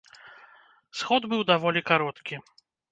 Сход быў даволі кароткі.